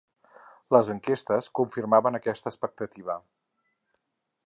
Les enquestes confirmaven aquesta expectativa.